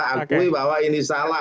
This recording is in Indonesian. akui bahwa ini salah